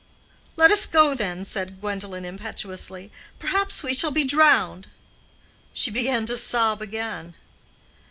"Let us go, then," said Gwendolen, impetuously. "Perhaps we shall be drowned." She began to sob again.